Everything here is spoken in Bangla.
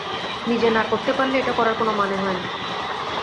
নিজে না করতে পারলে এটা করার কোনো মানে হয় না।